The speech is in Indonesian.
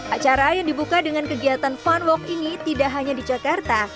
acara yang dibuka dengan kegiatan fun walk ini tidak hanya di jakarta